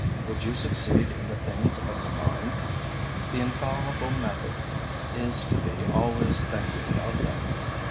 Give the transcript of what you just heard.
Would you succeed in the things of the mind? The infallible method is to be always thinking of them.